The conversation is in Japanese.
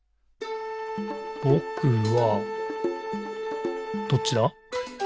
「ぼくは、」どっちだ？